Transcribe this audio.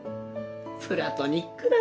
プラトニックだね。